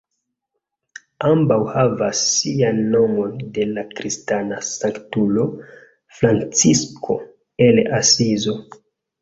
Ambaŭ havas sian nomon de la kristana sanktulo Francisko el Asizo.